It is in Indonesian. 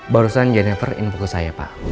barusan jennifer info saya pak